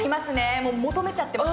もう求めちゃってます